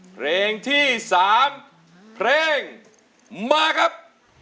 เพลงที่๓เพลงมาครับ